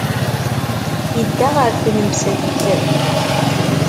Yedda ɣer tnemselt.